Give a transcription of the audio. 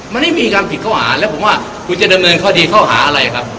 ไม่ได้มีการผิดข้อหาแล้วผมว่าคุณจะดำเนินคดีข้อหาอะไรครับ